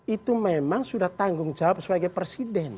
itu memang sudah tanggung jawab sebagai presiden